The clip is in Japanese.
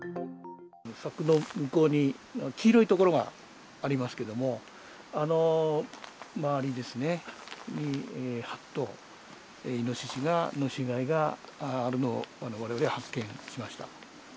柵の向こうに黄色い所がありますけども、あの周りですね、８頭、イノシシの死骸があるのをわれわれが発見しました。